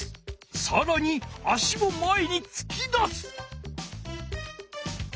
さらに足も前につき出す。